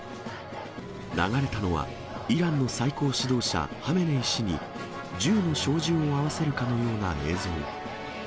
流れたのは、イランの最高指導者ハメネイ師に、銃の照準を合わせるかのような映像。